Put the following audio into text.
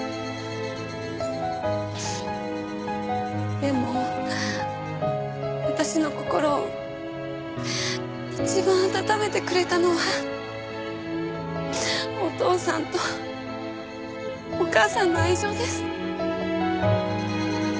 でも私の心を一番温めてくれたのはお父さんとお母さんの愛情です。